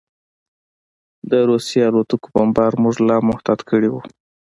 د روسي الوتکو بمبار موږ لا محتاط کړي وو